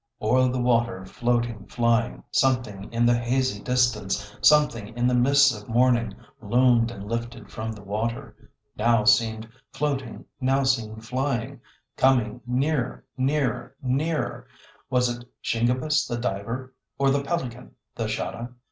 "O'er the water floating, flying, Something in the hazy distance, Something in the mists of morning, Loomed and lifted from the water, Now seemed floating, now seemed flying, Coming nearer, nearer, nearer. Was it Shingebis the diver? Or the pelican, the Shada?